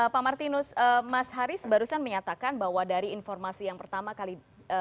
pak martinus mas haris barusan menyatakan bahwa dari informasi yang pertama kali